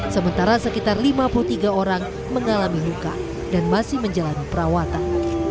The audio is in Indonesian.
sementara sekitar lima puluh tiga orang mengalami luka dan masih menjalani perawatan